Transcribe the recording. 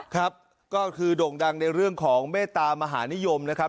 ครับก็คือโด่งดังในเรื่องของเมตตามหานิยมนะครับ